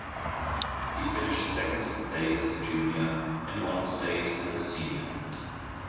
He finished second in state as a junior, and won state as a senior.